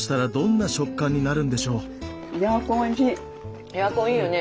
ヤーコンいいよね。